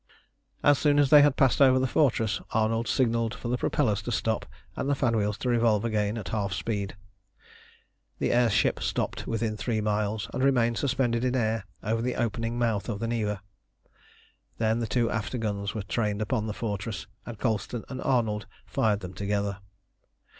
As soon as they had passed over the fortress, Arnold signalled for the propellers to stop, and the fan wheels to revolve again at half speed. The air ship stopped within three miles, and remained suspended in air over the opening mouth of the Neva. Then the two after guns were trained upon the fortress, and Colston and Arnold fired them together.